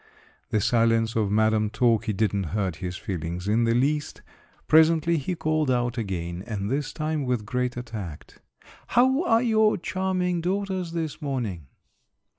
The silence of Madam Talky didn't hurt his feelings in the least. Presently he called out again and this time with greater tact: "How are your charming daughters this morning?"